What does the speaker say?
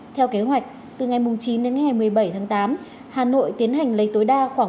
theo kế hoạch từ ngày chín đến ngày một mươi bảy tháng tám hà nội tiến hành lấy tối đa khoảng